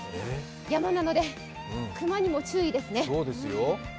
山なので熊にも注意ですね。